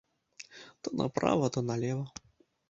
То направа, то налева.